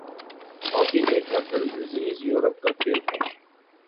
hockey ایک ہردلعزیز Europe کا کھیل ہے